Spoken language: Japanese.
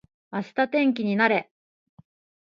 明日天気になれ